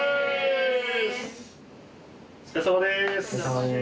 お疲れさまです。